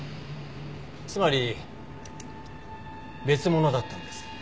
つまり別物だったんです。